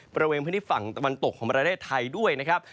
บริเวณพื้นที่ฝั่งตะวันตกของประเทศไทยด้วยนะครับ